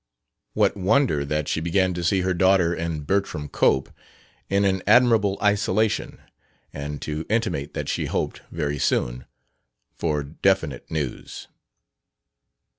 What wonder that she began to see her daughter and Bertram Cope in an admirable isolation and to intimate that she hoped, very soon, for definite news?